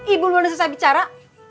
ibu belum selesai bicara